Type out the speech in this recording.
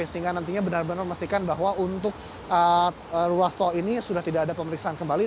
sehingga nantinya benar benar memastikan bahwa untuk ruas tol ini sudah tidak ada pemeriksaan kembali